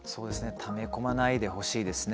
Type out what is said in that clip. ため込まないでほしいですね。